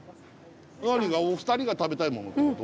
お二人が食べたいものってこと？